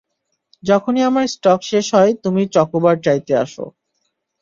যখনই আমার স্টক শেষ হয় তুমি চকোবার চাইতে আসো।